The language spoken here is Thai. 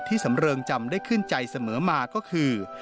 สำเริงจำได้ขึ้นใจเสมอมาก็คือ